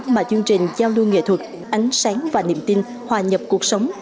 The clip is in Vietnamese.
mà chương trình giao lưu nghệ thuật ánh sáng và niềm tin hòa nhập cuộc sống